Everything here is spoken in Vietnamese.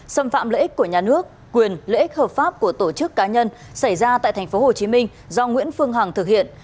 xâm phạm lợi ích của nhà nước quyền lợi ích hợp pháp của tổ chức cá nhân xảy ra tại tp hcm do nguyễn phương hằng thực hiện